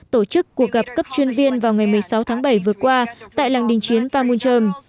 tổ chức cuộc gặp cấp chuyên viên vào ngày một mươi sáu tháng bảy vừa qua tại làng đình chiến và nguồn trơm